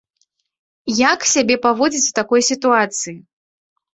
Як сябе паводзіць у такой сітуацыі?